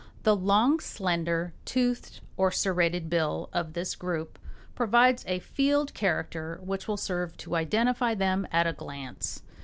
The long, slender, toothed or serrated bill of this group provides a field character which will serve to identify them at a glance.